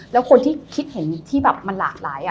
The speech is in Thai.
แล้วคนที่คิดเห็นที่แบบมันหลากหลาย